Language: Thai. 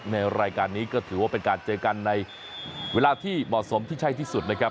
ในรายการนี้ก็ถือว่าเป็นการเจอกันในเวลาที่เหมาะสมที่ใช่ที่สุดนะครับ